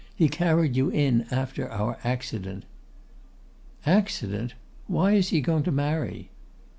'He carried you in after our accident.' 'Accident! Why is he going to marry?